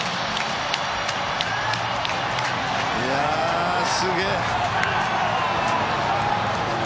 いやすげえ。